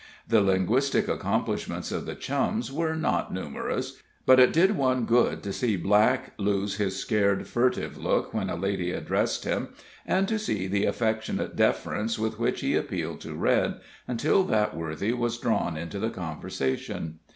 The linguistic accomplishments of the Chums were not numerous, but it did one good to see Black lose his scared, furtive look when a lady addressed him, and to see the affectionate deference with which he appealed to Red, until that worthy was drawn into the conversation.